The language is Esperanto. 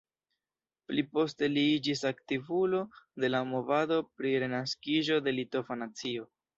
Pli poste li iĝis aktivulo de la movado pri renaskiĝo de litova nacio.